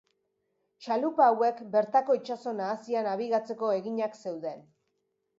Txalupa hauek bertako itsaso nahasian nabigatzeko eginak zeuden.